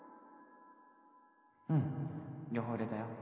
うん両方入れたよ。